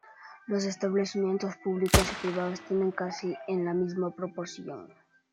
Los establecimientos públicos y privados tienen casi en la misma proporción.